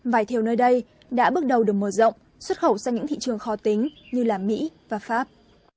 vải thiều nơi đây đã bước đầu được mở rộng xuất khẩu sang những thị trường khó tính như mỹ và pháp